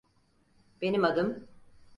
Benim adım…